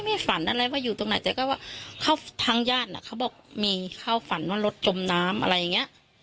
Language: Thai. ฝันอะไรว่าอยู่ตรงไหนแต่ก็ว่าทางญาติน่ะเขาบอกมีเข้าฝันว่ารถจมน้ำอะไรอย่างเงี้ย